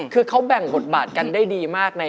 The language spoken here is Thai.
คือเขาแบ่งบทบาทกันได้ดีมาก